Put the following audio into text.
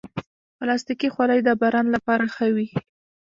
پلاستيکي خولۍ د باران لپاره ښه وي.